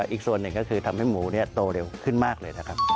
อีกส่วนหนึ่งก็คือทำให้หมูโตเร็วขึ้นมากเลยนะครับ